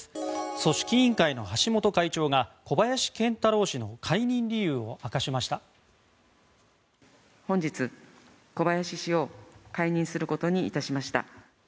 組織委員会の橋本会長が小林賢太郎氏の解任理由を明かしました。